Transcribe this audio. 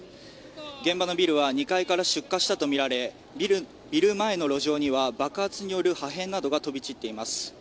現場のビルは２階から出火したとみられビル前の路上には爆発による破片などが飛び散っています。